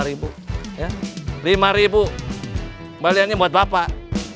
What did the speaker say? rp lima kembaliannya buat bapak